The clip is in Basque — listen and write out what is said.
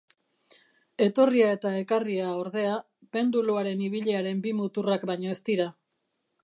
Etorria eta ekarria, ordea, penduluaren ibiliaren bi muturrak baino ez dira.